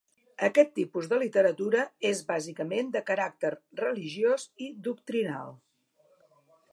Aquest tipus de literatura és bàsicament de caràcter religiós i doctrinal.